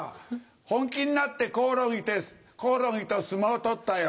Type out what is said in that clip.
本気になってコオロギと相撲を取ったよ。